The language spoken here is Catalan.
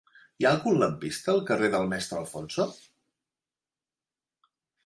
Hi ha algun lampista al carrer del Mestre Alfonso?